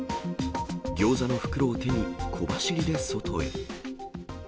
ギョーザの袋を手に、小走りで外へ。